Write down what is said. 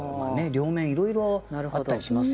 両面いろいろあったりしますよねやっぱりね。